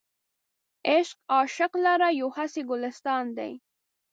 عشق عاشق لره یو هسې ګلستان دی.